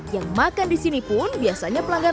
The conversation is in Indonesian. yang makan di sini pun biasanya pelanggan